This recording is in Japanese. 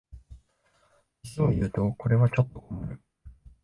実をいうとこれはちょっと困る